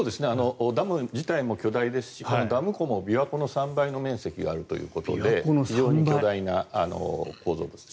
ダム自体も巨大ですしダム湖も琵琶湖の３倍の面積があるということで巨大な構造物ですね。